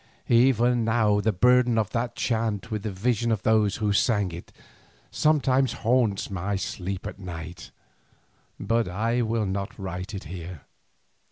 Even now the burden of that chant with the vision of those who sang it sometimes haunts my sleep at night, but I will not write it here.